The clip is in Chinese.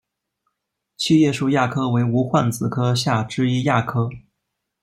七叶树亚科为无患子科下之一亚科。